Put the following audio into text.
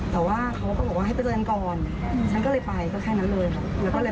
แต่เขาก็บอกให้มาเจอกันก่อนผมก็ไปก็แค่นั้นเลยครับ